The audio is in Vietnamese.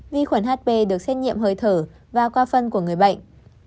vi khuẩn hp được xét nghiệm hơi thở và qua phân của người bệnh